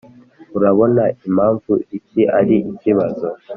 urabona impamvu iki ari ikibazo?